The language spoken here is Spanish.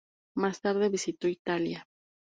Más tarde visitó Italia.